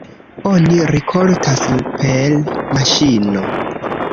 Oni rikoltas per maŝino.